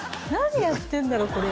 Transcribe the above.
何やってんだろう